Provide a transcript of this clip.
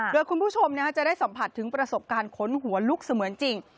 โดยคุณผู้ชมจะได้สัมผัสถึงประสบการณ์ขนหัวลุกเสมือนจริง